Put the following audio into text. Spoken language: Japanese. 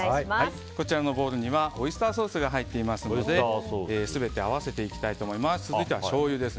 こちらのボウルにはオイスターソースが入っていますので全て合わせていきたいと思います。